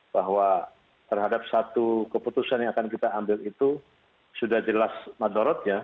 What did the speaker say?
bahwa terhadap satu keputusan yang akan kita ambil itu sudah jelas madorotnya